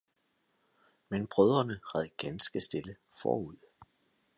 Men brødrene red ganske stille forud.